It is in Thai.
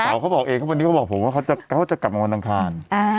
บางครั้วเขาบอกเองว่าทางนี้เขาก็บอกผมว่าเขาจะกลับมาวนดังคาร